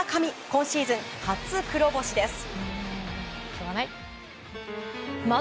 今シーズン初黒星です。